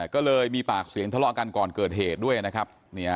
ก็เลยมีปากเสียงทะเลาะกันก่อนเกิดเหตุด้วยนะครับ